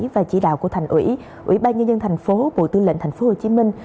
và chỉ đạo của thành ủy ủy ban nhân dân thành phố bộ tư lệnh thành phố hồ chí minh